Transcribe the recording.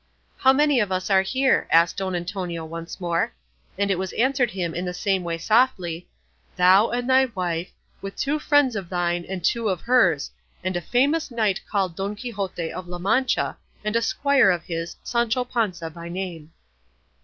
"How many of us are here?" asked Don Antonio once more; and it was answered him in the same way softly, "Thou and thy wife, with two friends of thine and two of hers, and a famous knight called Don Quixote of La Mancha, and a squire of his, Sancho Panza by name."